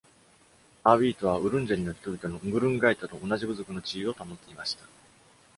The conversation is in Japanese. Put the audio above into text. アーウィートは、ウルンジェリの人々のングルンガエタと同じ部族の地位を保っていました。